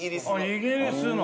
イギリスの？